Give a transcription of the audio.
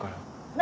何？